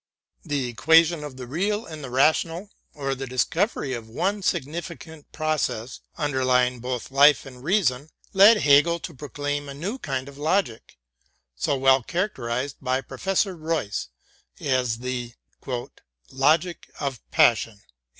The equation of the real and the rational, or the dis covery of one significant process underlying both life and reason, led Hegel to proclaim a new kind of logic, so well characterized by Professor Eoyce as the "logic of passion."